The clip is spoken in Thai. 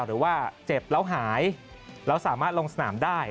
หรือว่าเจ็บแล้วหายแล้วสามารถลงสนามได้